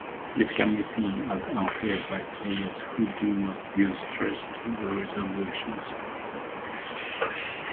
This can be seen as unfair by players who do not use stretched resolutions.